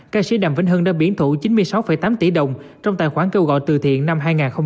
ca sĩ đàm vĩnh hưng đã biển thủ chín mươi sáu tám tỷ đồng trong tài khoản kêu gọi từ thiện năm hai nghìn hai mươi ba